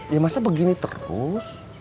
ya masa begini terus